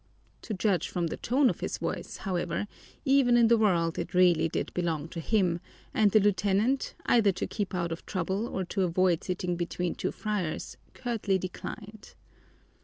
To judge from the tone of his voice, however, even in the world it really did belong to him, and the lieutenant, either to keep out of trouble or to avoid sitting between two friars, curtly declined.